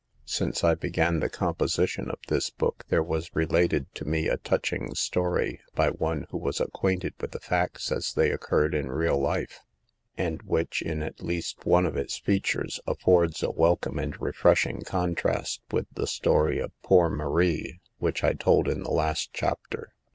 Since I began the composition of this book, there was related to me a touching story, by one who . was acquainted with the facts as they occurred in real life, and which, in at least one of its features, affords a welcome and refresh ing contrast with the story of poor Marie, which I told in the last chapter.